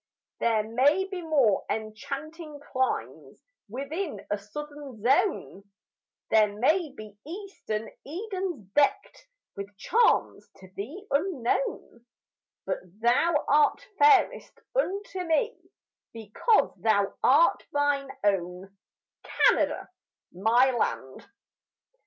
There may be more enchanting climes Within a southern zone; There may be eastern Edens deckt With charms to thee unknown; But thou art fairest unto me, Because thou art mine own, Canada, my land.